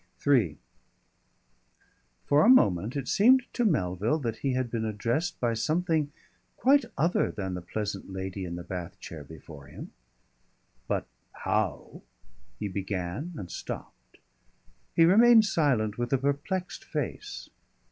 III For a moment it seemed to Melville that he had been addressed by something quite other than the pleasant lady in the bath chair before him. "But how ?" he began and stopped. He remained silent with a perplexed face.